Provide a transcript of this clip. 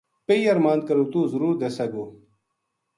پَہی ارماند کروں توہ ضرور دسے گو